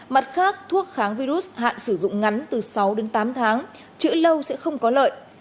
mặt khác thuốc kháng virus hạn sử dụng ngắn từ sáu đến tám tháng chữ lâu sẽ không có lợi